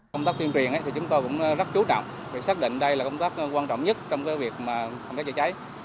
công tác tuyên truyền chúng tôi cũng rất chú động xác định đây là công tác quan trọng nhất trong việc phòng cháy dự cháy